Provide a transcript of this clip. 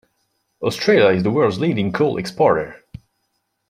Australia is the world's leading coal exporter.